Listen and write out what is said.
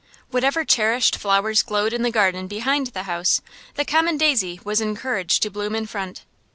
Whatever cherished flowers glowed in the garden behind the house, the common daisy was encouraged to bloom in front.